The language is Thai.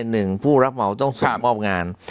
หนึ่งผู้รับเหมาต้องส่งมอบงาน